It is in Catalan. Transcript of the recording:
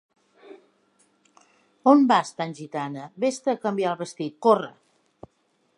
On vas, tan gitana?: ves-te a canviar el vestit, corre!